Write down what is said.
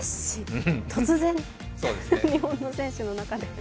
突然、日本の選手の中に。